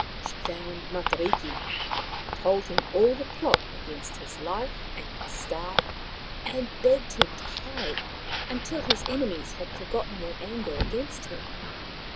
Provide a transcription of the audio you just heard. She found Matariki, told him all the plot against his life and his star, and begged him to hide until his enemies had forgotten their anger against him.